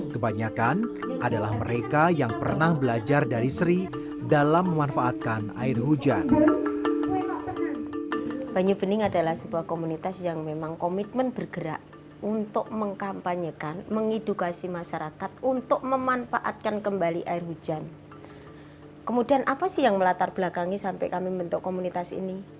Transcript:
kebanyakan adalah mereka yang pernah belajar dari sri dalam memanfaatkan air hujan